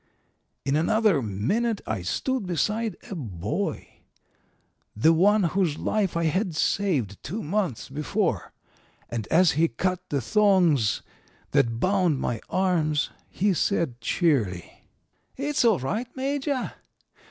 "In another minute I stood beside a boy, the one whose life I had saved two months before, and as he cut the thongs that bound my arms he said cheerily: "'It's all right, Major.